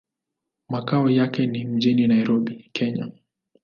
Makao yake ni mjini Nairobi, Kenya.